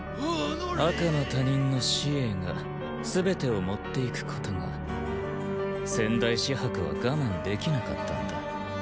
赤の他人の紫詠が全てを持っていくことが先代紫伯は我慢できなかったのだ。